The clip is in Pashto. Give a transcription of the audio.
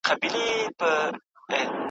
غزل مي درلېږمه خوښوې یې او که نه `